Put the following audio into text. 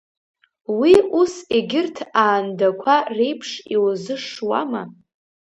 Уи ус, егьырҭ аандақәа реиԥш, иузышшуама?